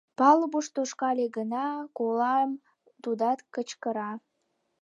Палубыш тошкале гына, колам — тудат кычкыра.